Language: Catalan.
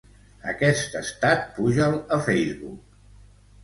Aquest estat puja'l a Facebook.